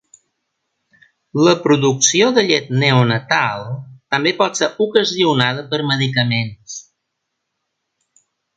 La producció de llet neonatal també pot ser ocasionada per medicaments.